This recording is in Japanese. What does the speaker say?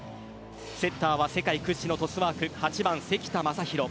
セッターは世界屈指のトスワーク８番・関田誠大